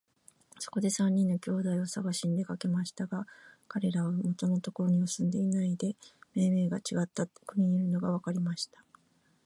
そこで三人の兄弟をさがしに出かけましたが、かれらは元のところには住んでいないで、めいめいちがった国にいるのがわかりました。